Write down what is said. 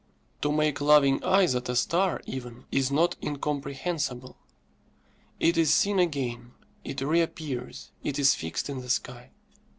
To make loving eyes at a star even, is not incomprehensible. It is seen again, it reappears, it is fixed in the sky.